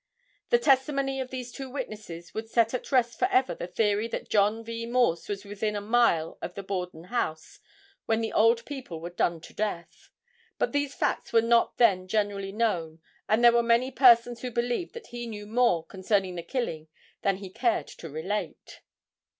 The testimony of these two witnesses would set at rest forever the theory that John V. Morse was within a mile of the Borden house when the old people were done to death. But these facts were not then generally known and there were many persons who believed that he knew more concerning the killing than he cared to relate.